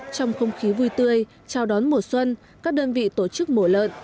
trong không khí vui tươi chào đón mùa xuân các đơn vị tổ chức mổ lợn